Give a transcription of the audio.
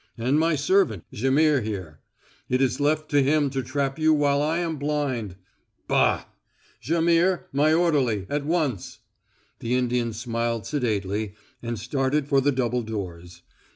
And my servant Jaimihr here; it is left to him to trap you while I am blind. Bah! Jaimihr, my orderly at once!" The Indian smiled sedately and started for the double doors.